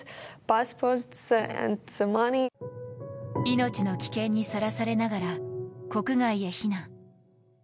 命の危険にさらされながら国外へ避難。